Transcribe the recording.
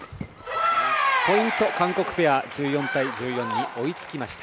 ポイントは韓国ペア１４対１４に追いつきました。